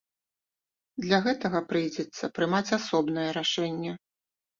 Для гэтага прыйдзецца прымаць асобнае рашэнне.